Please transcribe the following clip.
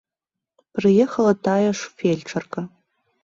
Прыехала тая ж фельчарка.